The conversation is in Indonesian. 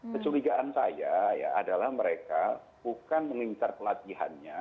kesuligaan saya adalah mereka bukan mengincar pelatihannya